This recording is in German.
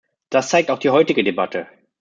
Das zeigt auch die heutige Debatte.